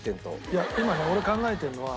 いや今ね俺考えてるのは。